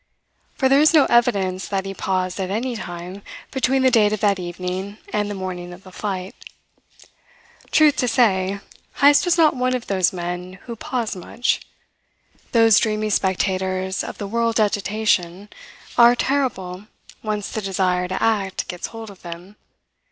For there is no evidence that he paused at any time between the date of that evening and the morning of the flight. Truth to say, Heyst was not one of those men who pause much. Those dreamy spectators of the world's agitation are terrible once the desire to act gets hold of them.